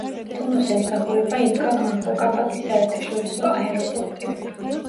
პუნოს ემსახურება ინკა მანკო კაპაკის საერთაშორისო აეროპორტი.